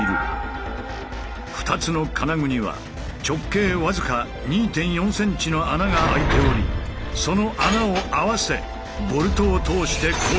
２つの金具には直径僅か２．４ｃｍの穴が開いておりその穴を合わせボルトを通して固定する。